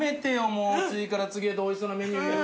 もう次から次へとおいしそうなメニュー言うの。